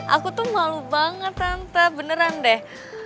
aku tuh malu banget santa beneran deh